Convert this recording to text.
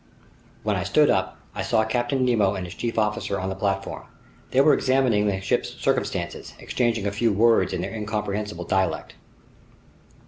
When I stood up, I saw Captain Nemo and his chief officer on the platform. They were examining the ship's circumstances, exchanging a few words in their incomprehensible dialect.